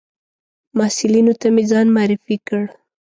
محصلینو ته مې ځان معرفي کړ.